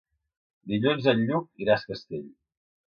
Dilluns en Lluc irà a Es Castell.